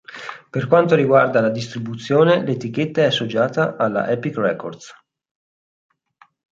Per quanto riguarda la distribuzione, l'etichetta è associata alla Epic Records.